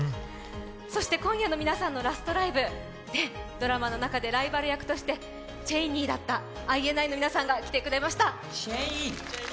そして、今夜のラストライブ、ドラマの中でライバルのチェイニーだったＩＮＩの皆さんが来てくれました。